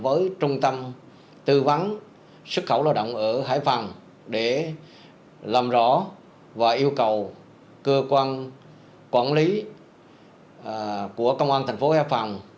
với trung tâm tư vấn xuất khẩu lao động ở hải phòng để làm rõ và yêu cầu cơ quan quản lý của công an thành phố hải phòng